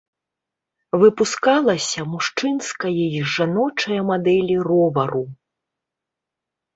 Выпускалася мужчынская і жаночая мадэлі ровару.